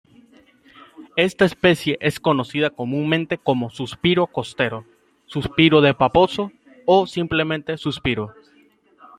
Esta especie es conocida comúnmente como 'Suspiro costero', 'Suspiro de Paposo' o simplemente 'Suspiro'.